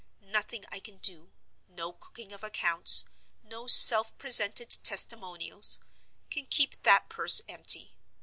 Nothing I can do—no cooking of accounts; no self presented testimonials—can keep that purse empty.